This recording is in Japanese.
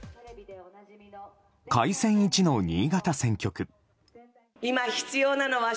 改選１の新潟選挙区。